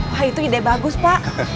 wah itu ide bagus pak